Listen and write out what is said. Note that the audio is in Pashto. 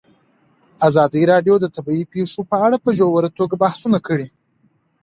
ازادي راډیو د طبیعي پېښې په اړه په ژوره توګه بحثونه کړي.